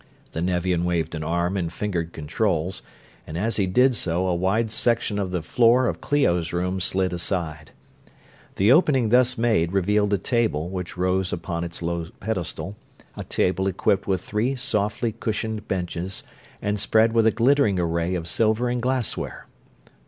The Nevian waved an arm and fingered controls, and as he did so a wide section of the floor of Clio's room slid aside. The opening thus made revealed a table which rose upon its low pedestal, a table equipped with three softly cushioned benches and spread with a glittering array of silver and glassware.